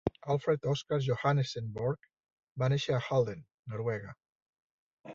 Alfred Oscar Johannessen Borg va néixer a Halden, Noruega.